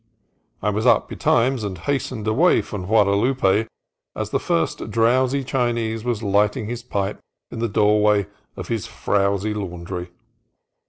I was up betimes, and hastened away from Guada lupe as the first drowsy Chinese was lighting his pipe in the doorway of his frowsy laundry.